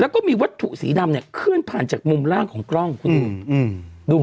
แล้วก็มีวัตถุสีดำเนี่ยเคลื่อนผ่านจากมุมล่างของกล้องคุณดู